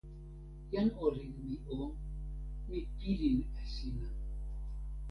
jan olin mi o, mi pilin e sina.